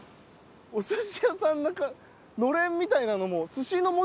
お寿司屋さんのれんみたいなのも。